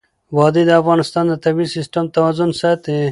وادي د افغانستان د طبعي سیسټم توازن ساتي.